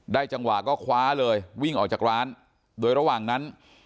จังหวะก็คว้าเลยวิ่งออกจากร้านโดยระหว่างนั้น